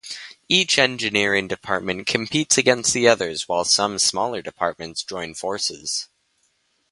Each engineering department competes against the others, while some smaller departments join forces.